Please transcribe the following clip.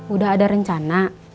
udah ada rencana